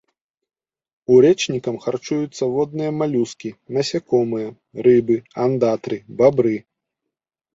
Урэчнікам харчуюцца водныя малюскі, насякомыя, рыбы, андатры, бабры.